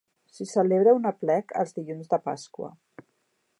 S'hi celebra un aplec els dilluns de Pasqua.